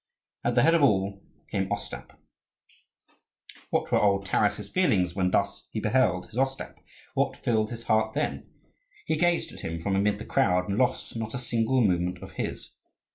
At the head of all came Ostap. What were old Taras's feelings when thus he beheld his Ostap? What filled his heart then? He gazed at him from amid the crowd, and lost not a single movement of his.